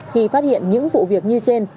khi phát hiện những vụ việc như trên